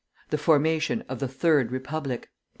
THE FORMATION OF THE THIRD REPUBLIC.